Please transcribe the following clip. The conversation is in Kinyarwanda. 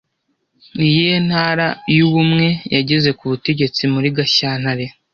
Ni iyihe Ntara y'Ubumwe yageze ku butegetsi muri Gashyantare